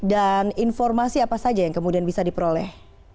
dan informasi apa saja yang kemudian bisa diperoleh